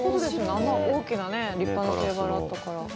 あんな大きな立派なテーブルがあったから。